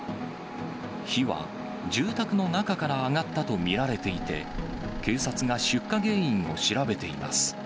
火は住宅の中から上がったと見られていて、警察が出火原因を調べています。